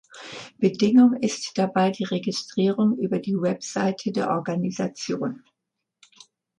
Bedingung ist dabei die Registrierung über die Website der Organisation.